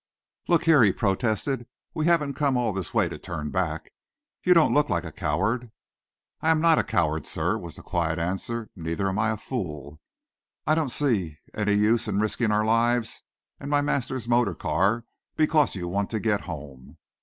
"Look here," he protested, "we haven't come all this way to turn back. You don't look like a coward." "I am not a coward, sir," was the quiet answer. "Neither am I a fool. I don't see any use in risking our lives and my master's motor car, because you want to get home."